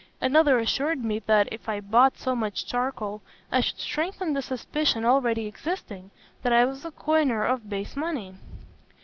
Another assured me that, if I bought so much charcoal, I should strengthen the suspicion already existing, that I was a coiner of base money.